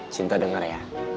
cinta denger ya